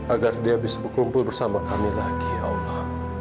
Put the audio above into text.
agar dia bisa berkumpul bersama kami lagi ya allah